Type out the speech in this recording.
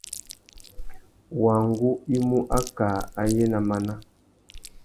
Wăngú i mú akā ayê ná máná.